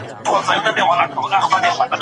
د بشري حقونو نقض په اسلام کي حرام دی.